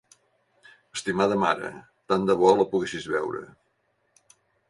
Estimada mare, tant de bo la poguessis veure!